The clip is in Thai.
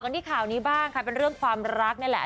ที่ข่าวนี้บ้างค่ะเป็นเรื่องความรักนี่แหละ